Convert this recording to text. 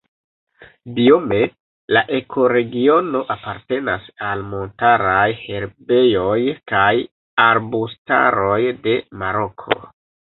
Biome la ekoregiono apartenas al montaraj herbejoj kaj arbustaroj de Maroko.